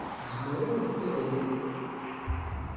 Tezmer ad d-talel.